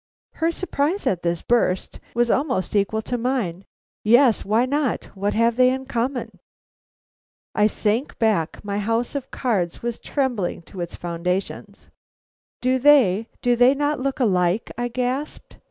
Her surprise at this burst was almost equal to mine. "Yes, why not; what have they in common?" I sank back, my house of cards was trembling to its foundations. "Do they do they not look alike?" I gasped.